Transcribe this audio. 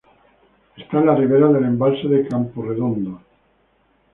Está en la ribera del embalse de Camporredondo.